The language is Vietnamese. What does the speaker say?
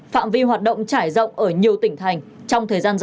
phạm vi hoạt động trải rộng ở nhiều tỉnh thành trong thời gian dài